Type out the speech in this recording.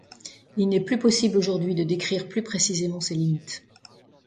Il n’est plus possible aujourd’hui de décrire plus précisément ses limites.